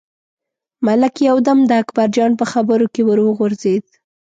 ملک یو دم د اکبرجان په خبرو کې ور وغورځېد.